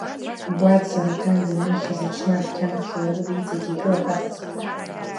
Баӡ Аруҭан данишьыз аҽны адәқьан аԥхьа уара уда иҵегьы игылақәадаз?